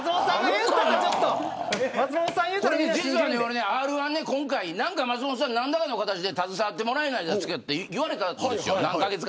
実はＲ‐１今回、何らかの形で携わってもらえないですかと言われたんです。